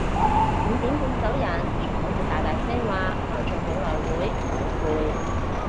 五點半走人仲可以大大聲話開咗好耐會好攰